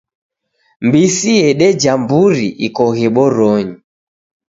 Mbisi yedeja mburi ikoghe boronyi.